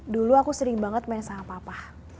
dulu aku sering banget main sama papa